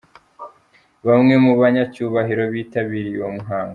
Bamwe mu banyacyubahiro bitabiriye uwo muhango.